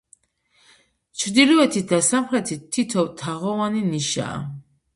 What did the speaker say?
ჩრდილოეთით და სამხრეთით თითო თაღოვანი ნიშაა.